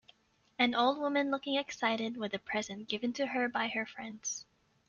An old woman looking excited with a present given to her by her friends.